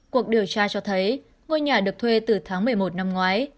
cuộc điều tra cho thấy ngôi nhà được thuê từ tháng một mươi một năm ngoái